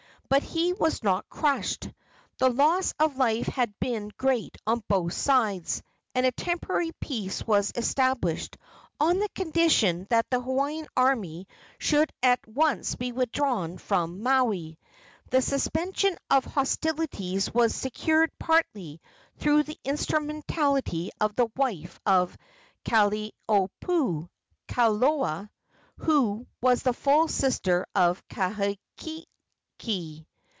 But he was not crushed. The loss of life had been great on both sides, and a temporary peace was established on the condition that the Hawaiian army should at once be withdrawn from Maui. The suspension of hostilities was secured partly through the instrumentality of the wife of Kalaniopuu, Kalola, who was the full sister of Kahekili.